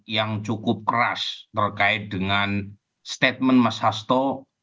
yang cukup keras terkait dengan statement mas hasto